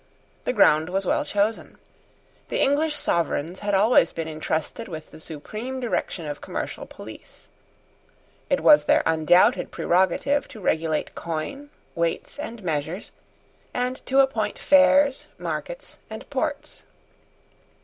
The ground was well chosen. The English Sovereigns had always been entrusted with the supreme direction of commercial police. It was their undoubted prerogative to regulate coin, weights, and measures, and to appoint fairs, markets, and ports.